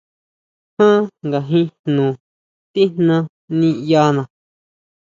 Ján ngajin jno tijna niʼyana.